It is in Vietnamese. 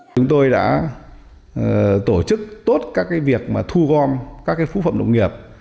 chúng tôi đã tổ chức tốt các cái việc mà thu gom các cái phú phẩm động nghiệp